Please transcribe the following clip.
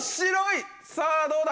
さぁどうだ？